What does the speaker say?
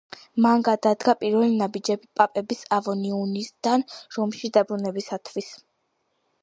მან გადადგა პირველი ნაბიჯები პაპების ავინიონიდან რომში დაბრუნებისათვის.